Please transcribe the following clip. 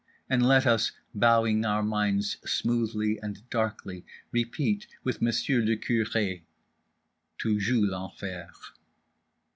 And let us, bowing our minds smoothly and darkly, repeat with Monsieur le Curé—"_toujours l'enfer….